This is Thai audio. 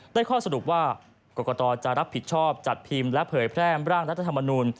ข้อสรุปว่ากรกตจะรับผิดชอบจัดพิมพ์และเผยแพร่ร่างรัฐธรรมนูล